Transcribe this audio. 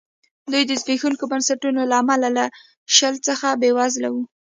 دوی د زبېښونکو بنسټونو له امله له شل څخه بېوزله وو.